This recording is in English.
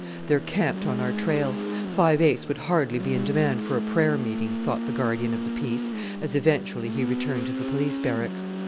"They're camped on our trail. Five Ace would hardly be in demand for a prayer meeting," thought the guardian of the peace, as eventually he returned to the Police Barracks.